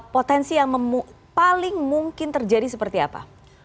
potensi yang paling mungkin terjadi seperti apa